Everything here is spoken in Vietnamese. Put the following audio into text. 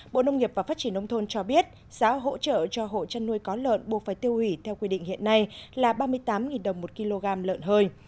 bộ nông nghiệp và phát triển nông thôn cho biết giá hỗ trợ cho hộ chăn nuôi có lợn buộc phải tiêu hủy theo quy định hiện nay là ba mươi tám đồng một kg lợn hơi